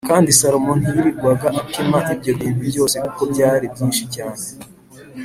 Kandi Salomo ntiyirirwa apima ibyo bintu byose kuko byari byinshi cyane